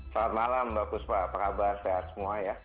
selamat malam bagus pak apa kabar sehat semua ya